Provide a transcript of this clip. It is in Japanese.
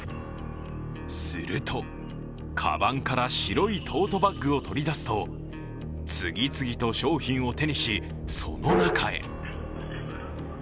するとかばんから白いトートバッグを取り出すと次々と商品を手にしその中へ。